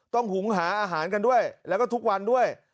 หุงหาอาหารกันด้วยแล้วก็ทุกวันด้วย